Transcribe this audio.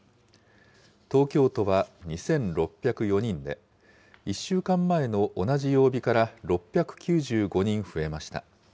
東京都は２６０４人で、１週間前の同じ曜日から６９５人増えました。